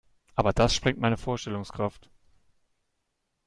Aber das sprengt meine Vorstellungskraft.